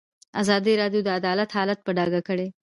ازادي راډیو د عدالت حالت په ډاګه کړی.